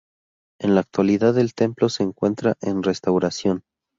En la actualidad el templo se encuentra en restauración.